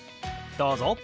どうぞ。